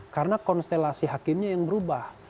karena konstelasi hakimnya yang berubah